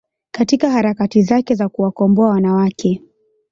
katika harakati zake za kuwakomboa wanawake